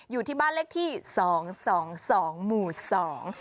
อยู่ที่บ้านเล็กที่๒๒๒หมูสอง